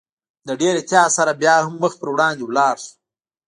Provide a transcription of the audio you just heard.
له ډېر احتیاط سره باید مخ پر وړاندې ولاړ شو.